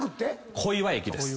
小岩駅です。